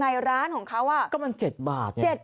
ในร้านของเขาก็มัน๗บาท